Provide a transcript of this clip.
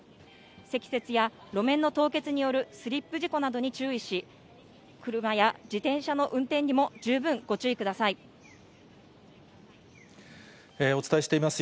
積雪や路面の凍結によるスリップ事故などに注意し、車や自転車の運転にも十分ご注意ください。